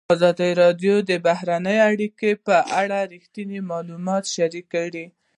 ازادي راډیو د بهرنۍ اړیکې په اړه رښتیني معلومات شریک کړي.